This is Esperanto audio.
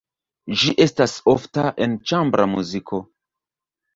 Ĝi estas ofta en ĉambra muziko.